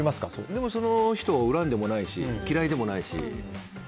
でもその人を恨んでもいないし嫌いでもないし。